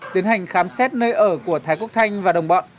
tiến hành khám xét nơi ở của thái quốc thanh và đồng bọn